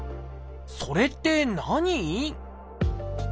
それって何？